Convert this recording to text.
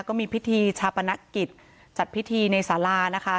ก็มีพิธีชาปนกิจจัดพิธีในสารานะคะ